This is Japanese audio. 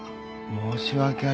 申し訳ありません。